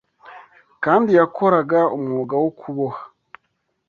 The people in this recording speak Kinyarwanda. kandi yakoraga umwuga wo kuboha